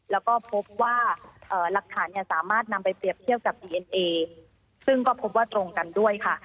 แล้วก็พบว่าหลักฐานเนี่ยสามารถนำไปเปรียบเทียบกับดีเอ็นเอซึ่งก็พบว่าตรงกันด้วยค่ะ